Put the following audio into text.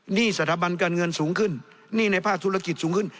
หนี้สถาบันการเงินสูงขึ้นหนี้ในภาคธุรกิจสูงขึ้น